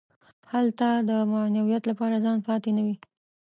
هلته د معنویت لپاره ځای پاتې نه وي.